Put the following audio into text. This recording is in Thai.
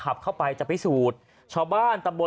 ขับเข้าไปจะพิสูจน์